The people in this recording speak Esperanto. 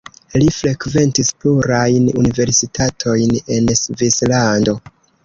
Li frekventis plurajn universitatojn en Svislando.